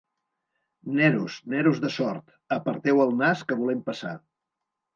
Neros, neros de Sort, aparteu el nas que volem passar.